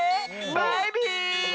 バイビー！